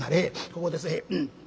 ここです。